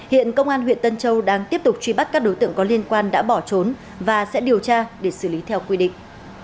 hiện công an huyện tân châu đang tiếp tục truy bắt các đối tượng có liên quan đã bỏ trốn và sẽ điều tra để xử lý theo quy định